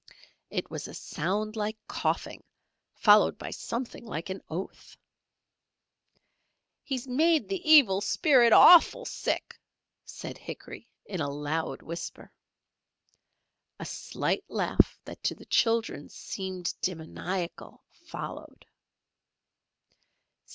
It was a sound like coughing followed by something like an oath. "He's made the Evil Spirit orful sick," said Hickory, in a loud whisper. A slight laugh that to the children seemed demoniacal, followed.